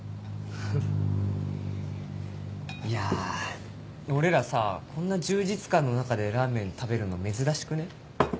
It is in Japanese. いや俺らさこんな充実感の中でラーメン食べるの珍しくね？